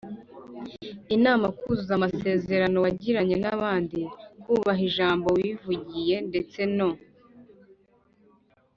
inama, kuzuza amasezerano wagiranye n’abandi, kubaha ijambo wivugiye ndetse no